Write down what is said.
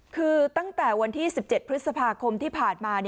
คือตั้งแต่วันที่๑๗พฤษภาคมที่ผ่านมา